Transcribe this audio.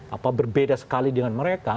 apa berbeda sekali dengan mereka